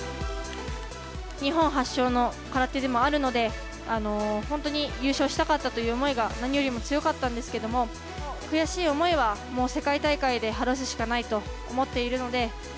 日本発祥の空手でもあるので、本当に優勝したかったという思いが何よりも強かったんですけども、悔しい思いはもう世界大会で晴らすしかないと思っているので。